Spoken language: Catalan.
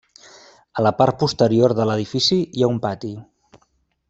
A la part posterior de l'edifici hi ha un pati.